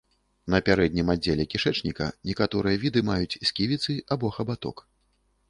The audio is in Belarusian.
На пярэднім аддзеле кішэчніка некаторыя віды маюць сківіцы або хабаток.